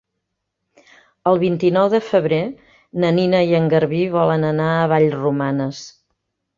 El vint-i-nou de febrer na Nina i en Garbí volen anar a Vallromanes.